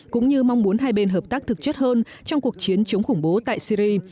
cũng như mong muốn hai bên hợp tác thực chất hơn trong cuộc chiến chống khủng bố tại syri